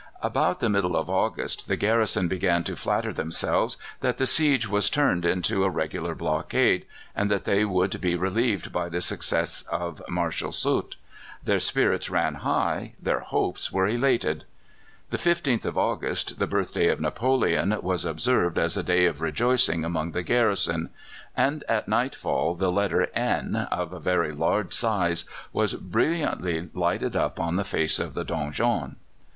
About the middle of August the garrison began to flatter themselves that the siege was turned into a regular blockade, and that they would be relieved by the successes of Marshal Soult. Their spirits ran high, their hopes were elated. The 15th of August, the birthday of Napoleon, was observed as a day of rejoicing among the garrison, and at nightfall the letter "N" of a very large size was brilliantly lighted up on the face of the donjon.